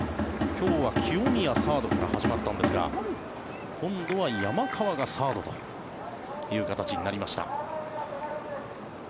今日は清宮、サードから始まったんですが今度は山川がサードという形になりました。